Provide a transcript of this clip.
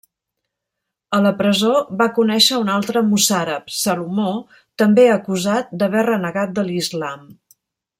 A la presó, va conèixer un altre mossàrab, Salomó, també acusat d'haver renegat de l'Islam.